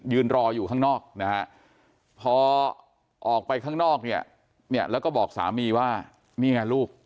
รออยู่ข้างนอกนะฮะพอออกไปข้างนอกเนี่ยเนี่ยแล้วก็บอกสามีว่านี่ไงลูก